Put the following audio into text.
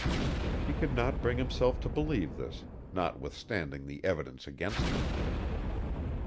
He could not bring himself to believe this, notwithstanding the evidence against them.